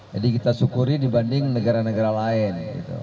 jadi kita syukuri dibanding negara negara lain